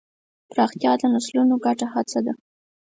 پراختیا د نسلونو ګډه هڅه ده.